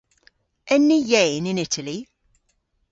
En ni yeyn yn Itali?